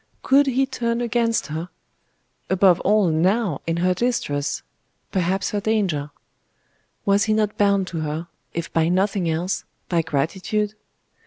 Could he turn against her? above all now in her distress perhaps her danger? Was he not bound to her, if by nothing else, by gratitude?